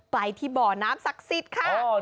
ไปที่บ่อน้ำศักดิ์สิทธิ์ค่ะ